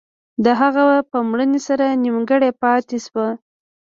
د هغه په مړینې سره نیمګړی پاتې شو.